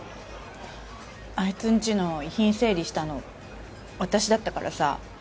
あいつんちの遺品整理したの私だったからさ。